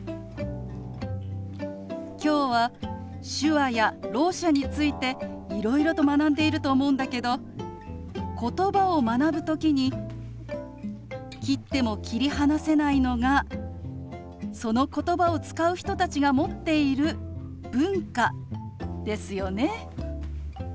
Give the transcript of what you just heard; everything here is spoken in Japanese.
今日は手話やろう者についていろいろと学んでいると思うんだけどことばを学ぶ時に切っても切り離せないのがそのことばを使う人たちが持っている文化ですよね。